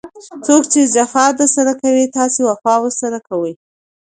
څوک چي جفا درسره کوي؛ تاسي وفا ورسره کوئ!